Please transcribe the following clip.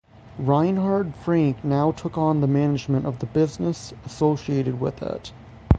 Reinhard Frank now took on the management of the business associated with it.